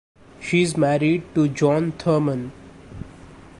She is married to John Thurman.